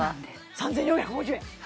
３４５０円！